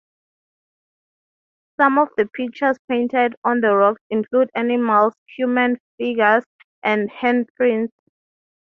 Some of the pictures painted on the rocks include animals, human figures, and handprints.